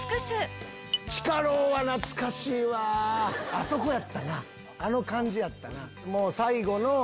あそこやったなあの感じやったな。